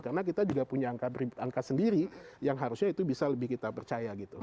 karena kita juga punya angka angka sendiri yang harusnya itu bisa lebih kita percaya gitu